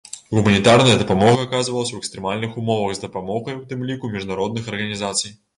Гуманітарная дапамога аказвалася ў экстрэмальных умовах з дапамогай, у тым ліку, міжнародных арганізацый.